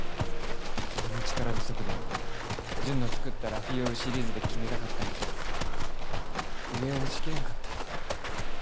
俺の力不足で純の作ったラフィオールシリーズで決めたかったんやけど上を押し切れんかった。